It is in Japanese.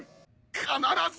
必ず！